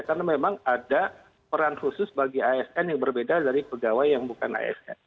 karena memang ada peran khusus bagi asn yang berbeda dari pegawai yang bukan asn